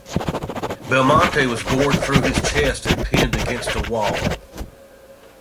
Belmonte was gored through his chest and pinned against a wall.